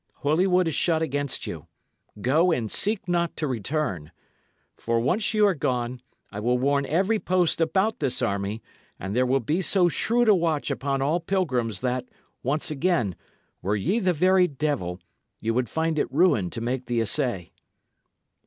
Holywood is shut against you. Go, and seek not to return. For, once ye are gone, I will warn every post about this army, and there will be so shrewd a watch upon all pilgrims that, once again, were ye the very devil, ye would find it ruin to make the essay."